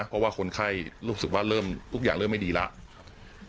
เพราะว่าคนไข้รู้สึกว่าเริ่มทุกอย่างเริ่มไม่ดีแล้วครับ